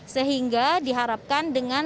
sehingga diharapkan dengan